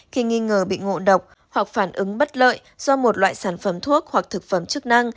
khi nghi ngờ bị ngộ độc hoặc phản ứng bất lợi do một loại sản phẩm thuốc hoặc thực phẩm chức năng